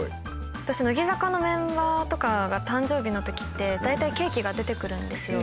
私乃木坂のメンバーとかが誕生日の時って大体ケーキが出てくるんですよ。